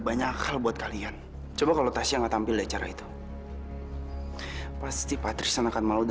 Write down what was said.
banyak hal buat kalian coba kalau kasih enggak tampilnya cara itu pasti patris anakkan malu